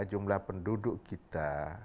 jumlah penduduk kita